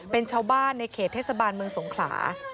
เป็นชาวบ้านในเขตเทศบาลเมืองสงขลา